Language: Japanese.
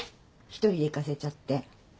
一人で行かせちゃって。